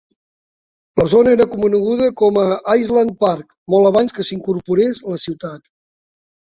La zona era coneguda com a Island Park molt abans que s'incorporés la ciutat.